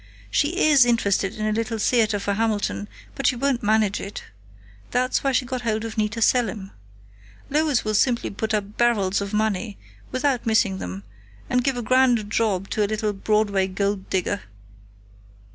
She is interested in a Little Theater for Hamilton, but she won't manage it. That's why she got hold of Nita Selim. Lois will simply put up barrels of money, without missing them, and give a grand job to a little Broadway gold digger.